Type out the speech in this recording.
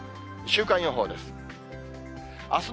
週間予報です。